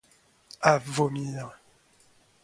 À vomir.